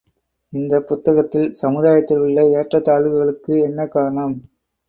இந்தப் புத்தகத்தில், சமுதாயத்தில் உள்ள ஏற்றத் தாழ்வுகளுக்கு என்ன காரணம்?